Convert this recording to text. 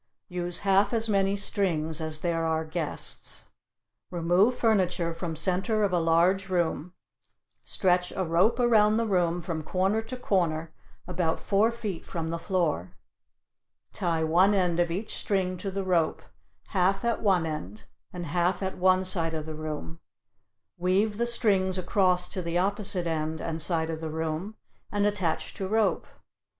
Use half as many strings as there are guests. Remove furniture from center of a large room stretch a rope around the room, from corner to corner, about four feet from the floor. Tie one end of each string to the rope, half at one end and half at one side of the room; weave the strings across to the opposite end and side of the room and attach to rope.